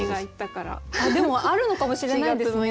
あっでもあるのかもしれないですね。